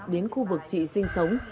đến khu vực trị sinh sống